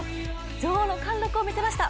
女王の貫禄を見せました。